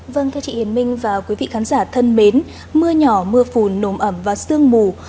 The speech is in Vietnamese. vâng thưa chị hiền minh và quý vị khán giả thân mến mưa nhỏ mưa phùn nồm ẩm và sương mù